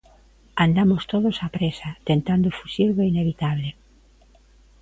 Andamos todos á présa tentando fuxir do inevitable